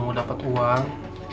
mau dapet uang